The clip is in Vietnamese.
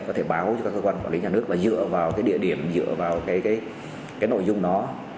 có thể báo cho các cơ quan quản lý nhà nước và dựa vào địa điểm dựa vào nội dung đó